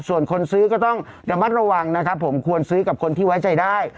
ส่วนคนซื้อก็ต้องระมัดระวังนะครับผมควรซื้อกับคนที่ไว้ใจได้